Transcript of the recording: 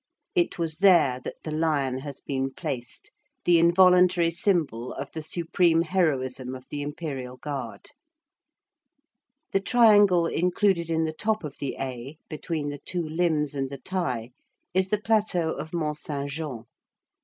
It was there that the lion has been placed, the involuntary symbol of the supreme heroism of the Imperial Guard. The triangle included in the top of the A, between the two limbs and the tie, is the plateau of Mont Saint Jean.